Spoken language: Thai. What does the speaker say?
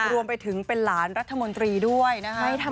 รวมไปถึงเป็นหลานรัฐมนตรีด้วยนะคะ